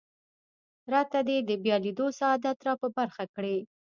راته دې د بیا لیدو سعادت را په برخه کړي.